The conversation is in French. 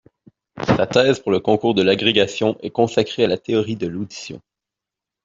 Sa thèse pour le concours de l'agrégation est consacrée à la théorie de l'audition.